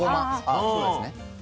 ああそうですね。